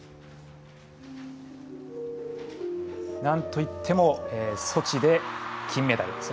なんといってもソチで金メダル。